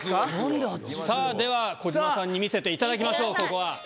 さぁでは児嶋さんに見せていただきましょうここは。